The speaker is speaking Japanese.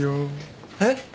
えっ？